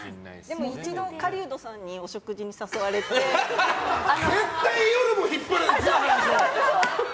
でも、一度狩人さんにお食事に誘われて絶対「夜もヒッパレ」だろ！